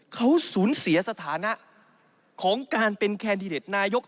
เขาสูญเสียสถานะของการเป็นแคนดิเดตนายก